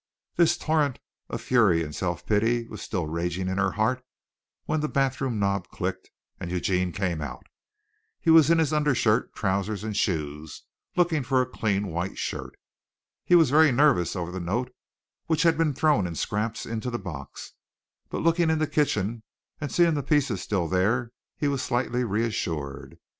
This torrent of fury and self pity was still raging in her heart when the bathroom knob clicked and Eugene came out. He was in his undershirt, trousers and shoes, looking for a clean white shirt. He was very nervous over the note which had been thrown in scraps into the box, but looking in the kitchen and seeing the pieces still there he was slightly reassured.